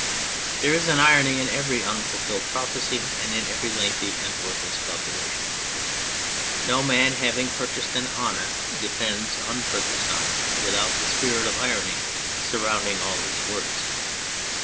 There is an irony in every unfulfilled prophecy and in every lengthy and worthless calculation. No man having purchased an honour defends unpurchased honour without the spirit of irony surrounding all his words.